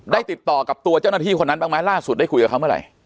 ติดต่อกับตัวเจ้าหน้าที่คนนั้นบ้างไหมล่าสุดได้คุยกับเขาเมื่อไหร่